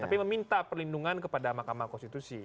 tapi meminta perlindungan kepada mahkamah konstitusi